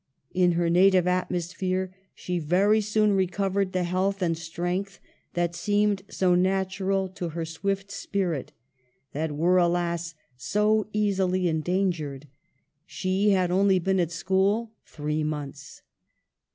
In her native atmosphere she very soon recovered the health and strength that seemed so natural to her swift spirit ; that were, alas, so easily endangered. She had only been at school three months.